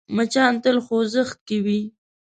مچان تل خوځښت کې وي